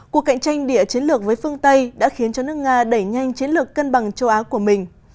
cuộc cạnh tranh địa chiến lược với phương tây đã khiến cho nước nga đẩy nhanh chiến lược cân bằng châu á của mình